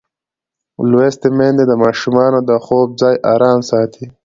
لوستې میندې د ماشومانو د خوب ځای ارام ساتي.